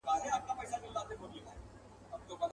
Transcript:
یوه ورځ چي سوه تیاره وخت د ماښام سو.